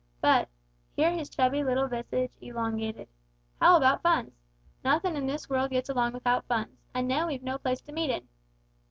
But" here his chubby little visage elongated "how about funds? Nothin' in this world gets along without funds; an' then we've no place to meet in."